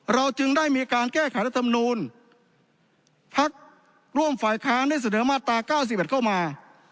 เราจึงได้มีการแก้ไขรัฐธรรมนูญพักร่วมฝ่ายค้างได้เสนอมาตราเก้าสี่แบบเข้ามา